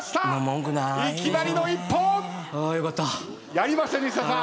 やりました西田さん。